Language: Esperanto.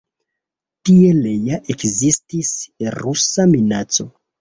Tiel ja ekzistis rusa minaco.